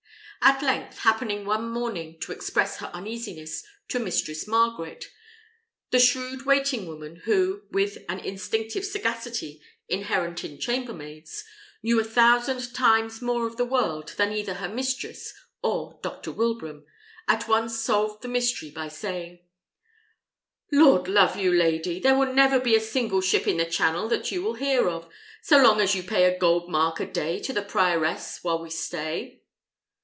At length, happening one morning to express her uneasiness to Mistress Margaret, the shrewd waiting woman, who, with an instinctive sagacity inherent in chambermaids, knew a thousand times more of the world than either her mistress or Dr. Wilbraham, at once solved the mystery by saying "Lord love you, lady! there will never be a single ship in the Channel that you will hear of, so long as you pay a gold mark a day to the prioress while we stay."